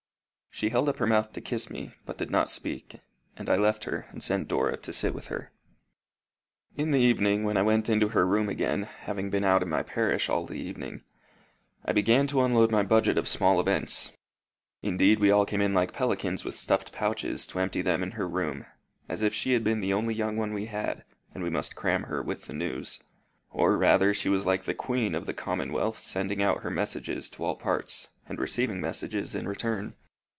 She held up her mouth to kiss me, but did not speak, and I left her, and sent Dora to sit with her. In the evening, when I went into her room again, having been out in my parish all the morning, I began to unload my budget of small events. Indeed, we all came in like pelicans with stuffed pouches to empty them in her room, as if she had been the only young one we had, and we must cram her with news. Or, rather, she was like the queen of the commonwealth sending out her messages into all parts, and receiving messages in return.